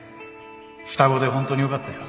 双子でホントによかったよ